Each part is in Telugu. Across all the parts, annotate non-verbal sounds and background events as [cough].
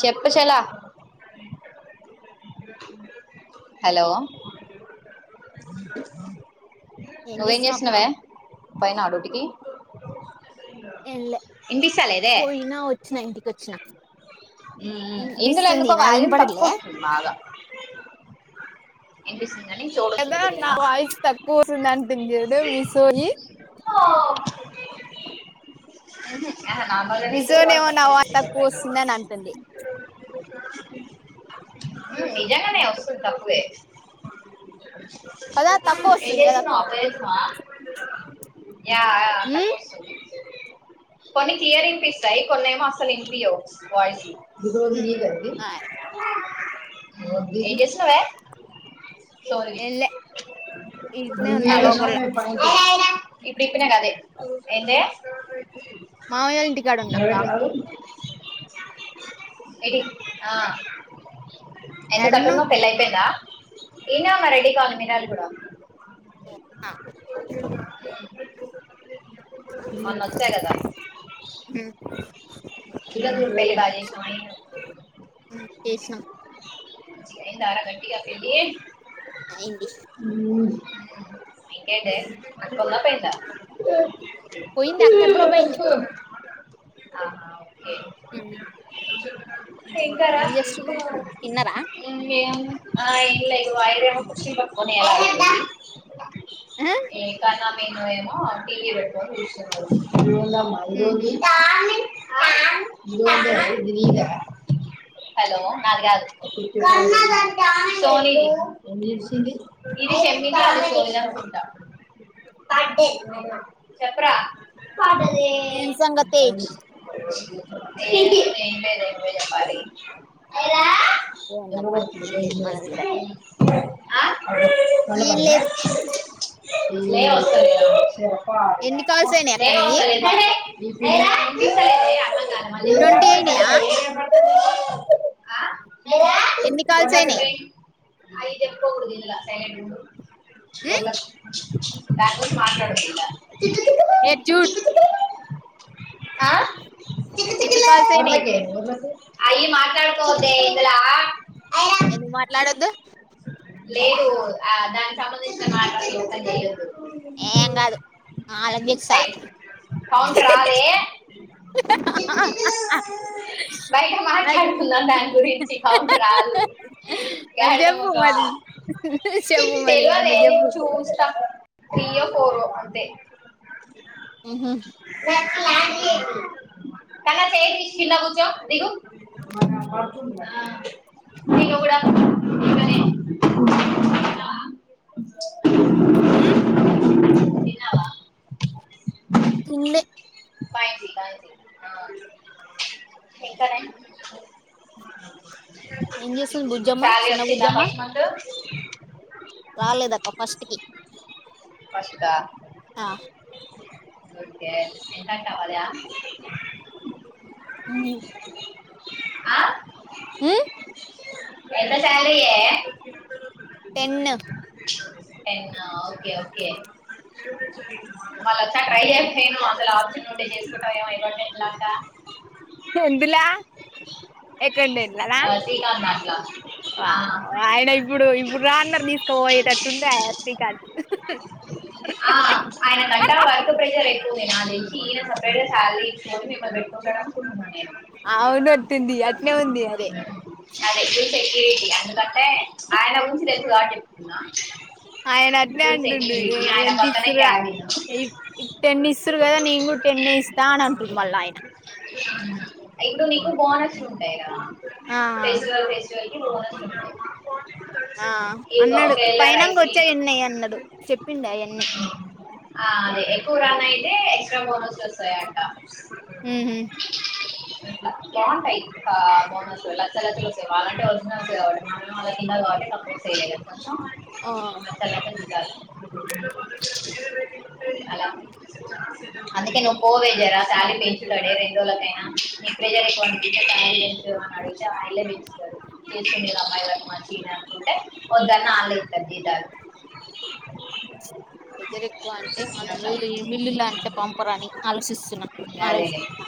చెప్పచలా హలో ఏం నువ్వేం చేస్తున్నావ్ అక్క చేస్తున్నావే పోయినవా డ్యూటీ కి ఏంలే ఇనిపిస్తలేదే వచ్చిన హ్మ్ హ్మ్ ఇందులో ఎందుకో వాల్యూమ్ తక్కువ వినపడట్లే బాగా ఇనిపిస్ గాని చౌడు కదా వచ్చంది నా నాకు వాయిస్ తక్కువ వస్తుంది అంటుంది చూడు మీ హ్మ్ సోని హు ఆ హ నార్మల్ గానే మీ ఇందులో సోని వాయిస్ ఏమో నా తక్కువస్తుంది తక్కువ వస్తుందని అంటుంది [unintelligible] నిజంగానే వస్తుంది తక్కువే కదా తక్కువ ఎం వస్తుంది కదా చేస్తున్నావ్ అక్క పోయేదుమా యా యా ఉమ్ తక్కువ వస్తుంది కొన్ని క్లియర్ ఇని పిస్తాయి కొన్ని ఏమో అసలు ఇనిపియ్యవు వాయిస్ ఆ ఎం చేస్తున్నావే ఏంలే ఈడనే ఉన్నా లోకల్లో ప [unintelligible] మామయ్య వల్ల ఇంటికాడ ఉన్నాక్క ఏ ఆ యాడున్నావ్ ఎందుకట్టున్నా [unintelligible] పెళ్ళి అయిపోయిందా ఇనీ అమ్మ రెడీ కావను మినాలి కూడా ఆ మొన్న వచ్చా కదా ఉమ్ [unintelligible] చేసినం హు అయింది ఇంకేంటి అక్క ఉంద పోయిందా పోయింది అక్క ఎప్పుడో పోయింది హా ఓకే హు శంకర పో తిన్నారా ఇంకొక ఆమె ఆ ఏం లేదు వైర్ ఏమో కుర్చీ పట్టుకొని వేలాడుతున్నారు ఆ ఇంకా నా మిన్ను టీవీ పెట్టుకొని చూస్తున్నాడు ఏందమ్మా ఉహు ఈరోజు హలో నాది కాదు సోని ఇది షమ్మ సోని ఫంట చెప్పరా ఏం సంగతి ఏం లేదు నువ్వే చెప్పాలి ఏందమ్మా ఏం లేదు ఎన్ని కాల్స్ అయినాయి అక్క [unintelligible] నీ సలే ట్వంటీ అయినాయా ఎన్ని కాల్స్ అయినాయి అవి చెప్పకూడదు ఇందులో సైలెంట్ గుండు ఉం? దాని గురించి మాట్లాడద్దు ఇంగ ఏజూ ఆ ఎన్ని కాల్స్ అయినాయి అయ్యి మాట్లాడు కొదే ఇందులో ఎందుకు మాట్లాడొద్దు లేదు ఆ దానికి సంబంధించిన [unintelligible] చేయ్యొద్దు ఏం కాదు [unintelligible] [unintelligible] మరి మాట్లాడుతుందాం దాని గురించి కౌంట్ రాదు మరి గాడిద చెప్పు మొఖమా మరి చెప్పు మరి అన్న తెలవదే నేను చెప్పు చూస్తా త్రీయో ఫోరో అంతే హు హు ఆ [unintelligible] ఉ తిన్నావ తినలే ఆ ఇంకానే ఏం చేస్తుంది బుజ్జమ్మ శాలరీ చిన్న వచ్చిందా బుజ్జమ్మ ఫస్ట్ మంతు రాలేదక్క ఫస్ట్ కి ఫస్ట్ ఆ ఆ ఓకే ఎంతా కావాలి ఆ ఇయ్యి ఆ ఊ పెద్ద శాలరీ ఎ టెను టెన్ ఓకే ఓకే మల్లోకసారి ట్రై చేస్తే ఏమవ్ అసలు ఆప్షన్ ఉంటే చేసుకుంటాం ఏమో ఇవన్నీ ఎట్లా అక్క ఎందులా ఎకండేంట్లనా శ్రీకాంత్ అట్లా ఆ ఆయన ఇప్పుడు ఇప్పుడు రాన్నర్ తీసుకుపోయేటట్టుండే ఎస్పీ కాంతు ఆ ఆయన గంట వర్క్ ప్రెషర్ ఎక్కువే నా నాక్ తెలిసి ఈన సపరేట్ శాలరీ దీస్కొని మిమ్మల్ని మెం [unintelligible] అనుకుంన్నం అవును తింది అట్నే ఉంది అదే నాకు తెలిసి సెక్యూరిటీ అందుకంటే ఆయన ఊంచి తెలుసు కాబట్టి చెప్తున్న అయన అట్నే అంటుండు రే పక్కనే ఎంతీసురా క్యాబిన్ ఇ ఇతే ఇన్ని ఇస్తురు కదా నేను కూడా ఇస్తా అని అంటుండు మళ్ళ ఆయన అయ్ ఇప్పుడు మీకు బాన్స్ లుంటయి రా ఆ ఫెస్టివల్ ఫెస్టివల్ ఇంగొ ఇపుడు మాకోటీ ఆ [unintelligible] ఇగ అన్నాడు ఒకేలా పైనంగా రైస్ ని వచ్చా ఎన్నయ్య అన్నాడు చెప్పిండు అవన్నీ ఆ అదే ఎక్కువ రన్ అయితే ఎక్సట్రా బోనస్ లు వస్తాయంట ఊహు అ [unintelligible] బాగుంటాయి బా బోనస్ లు లచ్చ లచ్చలు వస్తాయి వా అలాంటే ఒరిజినల్స్ కాట్టి మన వాళ్ళ కింద కాట్టి త తేలేలే పొ ఆ, మసాలంత [unintelligible] అలా అందుకే నువ్వు పోవే జరా శారీ పెంచుడడే రెండు రోజలకైనా నీ ప్రెజర్ ఎక్కో ఇ వాయ మ [unintelligible] చేసుకునేది అమ్మాయ్ కదూ మంచినే అనుకుంటే ఒదన్న ఆలె ఇతరు జీతాలు వెదర్ ఎక్కువ అంటే మనం రేయ్ మిల్లుల్లా అంటే పంపరాని ఆలోచిస్తున్నా ఆలోచిస్తున్నా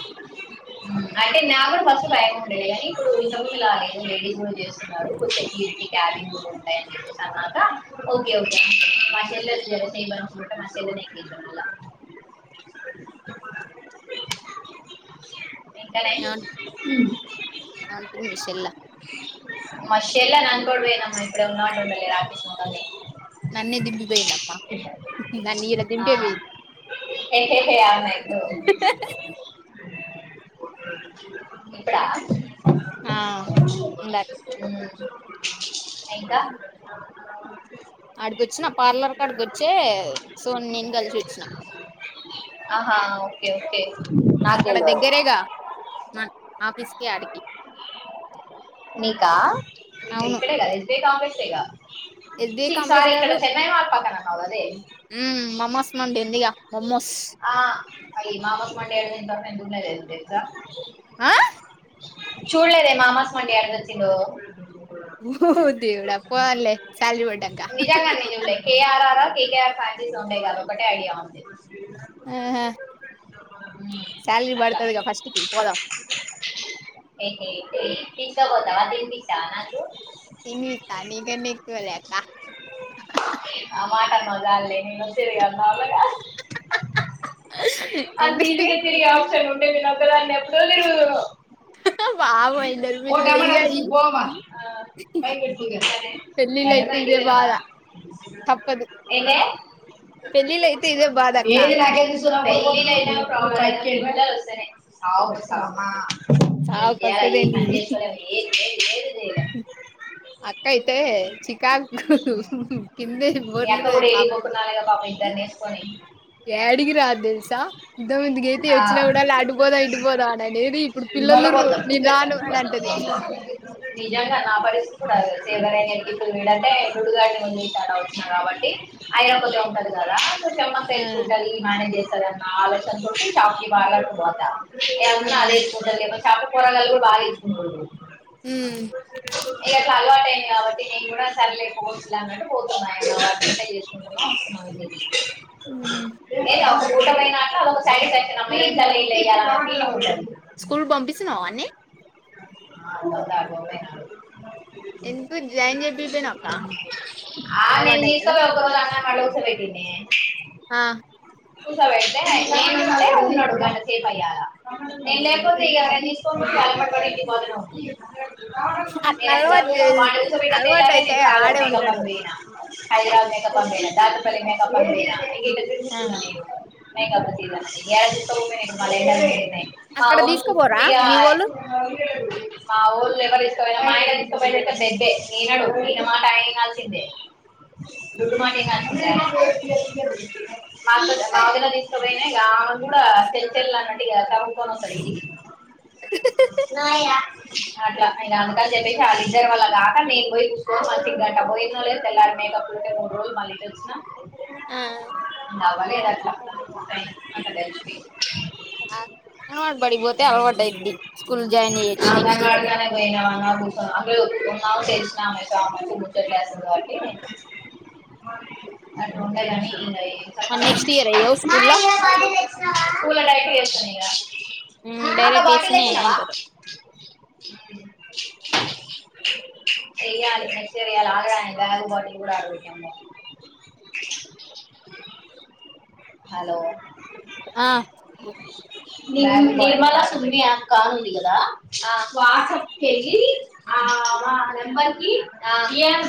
ఊ అంటే నా కూడా ఫస్టు బయం ఉండేది కానీ ఇప్పుడు ఇంత గుల మేము లేడీస్ చేస్తున్నారు కొ కీర్ కాలంగ్ కూడా ఉంటాయి ఓకే ఓకే మ చెల్లె మనే [unintelligible] ఆ ఎంతనే ఏమంట- ఊ ఏమంటుంది మిషల్లా మ షెల్ల ననుకోడి వొనం ఇపుడు వుండు మంటే ఉంటలేదు ఆఫీస్ మొఖం మీద నన్నే దింబి బేయనమ నన్ ఇలా దిబే బేయ ఆమెతో ఇపుడ ఆ ఇందాక్ ఉమ్, ఇంకా అడికిచ్చిన పార్లర్ క అడికిచ్చే సో నేను కలిసి వచ్చిన ఆహా ఓకే ఓకే నాకు అక్కడ తెలియదు దగ్గరేగా మ ఆఫీస్కి అడిగి నీకా ఇగ ఇక్కడే కదా S B I complex S B I complex కాదు చెన్నై మాల్ పక్కన అన్నావు అదే ఊ మమాస్ మందిన్ ఇగ మోమోస్ అది మామస్ మండి అనేది నేను ఇంత వరకు చున్నే లేదు తెలుసా ఆ చూడలేదే మా మామస్ మండి ఏడసచ్చిందో ఓ దేవుడా పోదాంలే శాలరీ పడ్డాక నిజంగానే చూడాలే K R R PKR franchises ఉంటాయిగా అదొకటే అడిగాము అంతే ఆహా సాలరీ అట్లా పడతదిగా ఫస్ట్కి పోదాం. తీసుకుపోతావా తినిపిస్తావా నాకు తినిపిస్తా నీకన్నా ఎక్కువలే అక్క [unintelligible] అంత ఎందుకే ఈజీగా తిరిగే ఆప్షన్ ఉంటే వినరు. వా మో ఇందర్ ఓ పిల్లల్ టమాటా ఇగ ఈ తీసుకుని పోమా పై పెట్టుకుందా పెళ్ళిలైతే ఇదే బాధా ఏందే పెళ్ల్ల అయితే ఇదే బాధ అక్క ఏ నాకేం తెలుసురా బ్బాయి ఇల్లులైనా ప్రాబ్లమే వస్తమ్మా చావువస్తదండి ఏది ఏది ఏది చేయలేము అట అయితే చికాకు కిందే మీ అక్క బోర్లుతది కూడా ఏడికి పాపం పోకున్నాలేగా పాపం ఇద్దరి వేసుకొని. ఏడికి రాదు తెలుసా ఇంతకుముందు అయితే ఆ, వచ్చినప్పుడల్లా అటు పోదాం ఇటు పోదాం అనేది ఇప్పుడు పిల్లలూరు నేను రాను అని అంటది అ నిజంగా నా పరిస్థితి కూడా అదే సో ఎవరైనా ఇప్పుడు [unintelligible] స్టార్ట్ అవుతుది కాబట్టి ఐరాపోతే ఉంటది కదా పుషమ్మ ఆ చేసుకుంటది మేనేజ్ చేస్తది అనా ఆలోచనతోటి షాప్ కి పార్లర్ కి పోతా ఇగ అండ్ల అదే ఉమ్. ఏసుకొని తింటరు, చాప కూరలలో కూడా బాగా ఏసుకుంటరు ఉమ్. ఇగా అలవాటయింది కాబట్టి నేను కూడా సరేలే పోవచ్చు లే అన్నట్టు పోతున్న ఆయనతో పాటువంట చేసుకొని ఉహు. లెదు ఆ ఒక పూట పోయినాక అదొక [unintelligible] స్కూల్ పంపిస్తున్నావా వాణ్ని ఆ మదా ఎందుకు జాయిన్ చేపియక పోయినవ్ అక్క అలవాటైతదా ఆలోచన అయిపోయింది ఆ కుసో పెడితే ఉండమంటే ఉన్నాడు గంటసేపు అయ్యాలా నేను లేపోతే ఈగ తీసుకొని [unintelligible] పట్టుకొని ఇంటికి పోతాడో అందుకనుకున్నావ్ అట్లా అలవాటు వాణ్ని చేస్తే ఏడుసా పెట్టిన అలవాటు తెల్లారే అయితే నేను హైదరాబాద్ ఆడే మేకప్ ఉంటాడు అని పోయినా హైదరాబాద్ మేకప్ అని పోయిన దాతపల్లి మేకప్ అని ఆ. పోయిన మేకప్ లా సీజన్లో ఇగా ఏడ తీసుకుపోతా నేను ఇప్పుడు మళ్ళా [inaudible] మా అక్కడ వొళ్ళు తీసుకుపోరా ఉతిగా మీ వాళ్ళు మా వొళ్ళు ఎవరిస్తారో కానీ. మా అయినా తీసుకపోయింది అయితే బేబే వినడు ఈయన మాట అయినా వినాల్సిదే గుర్తుపటి ఉహు. నను మా ఉ ఊర్ల తీసుకపోయినాయి అమ్మే కూడా చెల్ చెల్ అన్నట్టు ఇగా తీసుకొని వస్తాడు ఇగా ఇంటికి అట్లా ఇగా అంతసేపు ఆ ఇద్దరు వల్ల కాక నేను పోయి చూసుకొని మళ్ళా గంట పోయినో లేదో తెల్లారి మేకప్ ఒకటి రెండు రోజులు మళ్ళీ ఇటు వోచిన ఆ అవ్వలేదు అట్లా అంతై అంత డస్ట్ పీస్ అంగన్వాడి బడికి పోతే అలవాట అయిద్ది స్కూల్ జాయిన్ చేయొచ్చు నెక్స్ట్ ఇయర్ ఏమని అడుగుతాం అందులో ఒక ఆమె తెలిసినామే కలిసి ముచ్చట్లు వేస్తాం కాబట్టి అట్లుంటాయి గాని ఇగా ఎం నెక్స్ట్ ఇయర్ ఎయ్యవ స్కూల్ కూఊల ైట్లు ఏని డైరెక్ట్ వేసిన ఏంటారు చేయాలిరయాల ఆడ బగుపాటి కూడా ఆడ హలో ఆ నిర్మలా సనియాక్క కద వాట్సాప్ చెయ్యి ఆ నెంబర్ కీ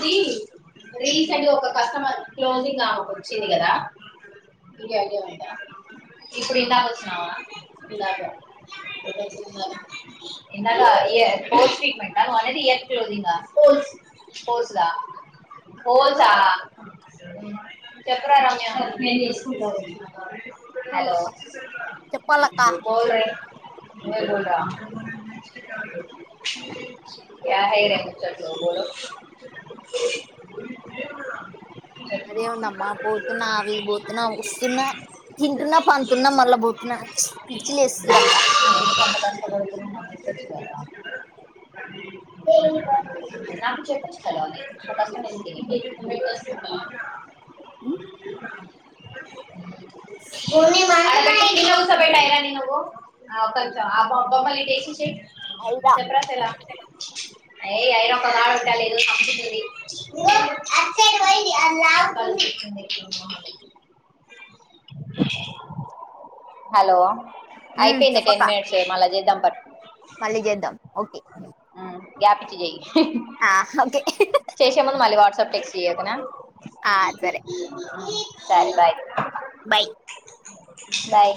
ది రీసెంట్ ఒక కస్టమర్ క్లోజింగ్ ఆమెకు వచ్చింది కదా నీకు ఐడియా ఉంటా ఇప్పుడు ఇచ్చవా పోసులు పోవచా చెప్పు రా రమ్య ఏం తీసుకుంటావ్ హలో చెప్పాలక్క చెప్పాలక్క పో హ ర ఆ అరే ఏముందమ్మా పోతున్న ఆఫీస్ కీ పోతున్న వస్తున్న తింటున్నా పనుతున్నా మళ్ళా పోతున్నా పిచ్చి లేస్తుందక్క నాకైతే ఆ చె స్ ప అక్కడ బెట్టి కింద కూర్చోబెట్టు ఐరాణి నువ్వు ఆ ఒక్క నిమిషం ఆ బొమ్మలు ఇటు వేసేసేయి అవునా అయ అఐ ఒక నాడు విట్టాల ఏదో సంంది క హలో అయిపోయింది టెన్ చెప్పక్క మినిట్స్ మళ్ళీ చేద్దాం పట్ మళ్ళీ చేద్దాం ఓకే గ్యాప్ ఇచ్చి చేయి ఆ చేసే ముందు మళ్ళీ వాట్సాప్ టెక్స్ట్ చేయి ఓకేనా ఆ సరే సరే బాయ్ బాయ్ బాయ్